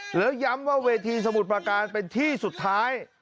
หรือย้ำว่าเวทีสมุทรประการเป็นที่สุดท้าย